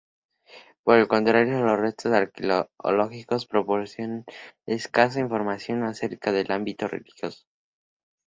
Por el contrario, los restos arqueológicos proporcionan escasa información acerca del ámbito religioso.